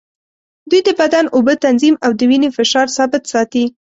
دوی د بدن اوبه تنظیم او د وینې فشار ثابت ساتي.